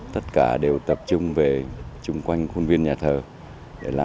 tất cả đều tập trung về chúng ta